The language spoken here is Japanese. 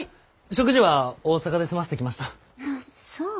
食事は大阪で済ませてきました。